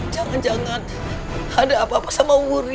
jangan jangan ada apa apa sama murni